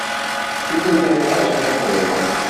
Ich will ihm keine falschen Hoffnungen machen.